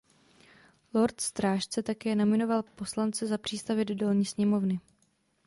Lord strážce také nominoval poslance za přístavy do Dolní sněmovny.